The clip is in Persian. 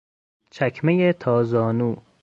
چکمهی تا زانو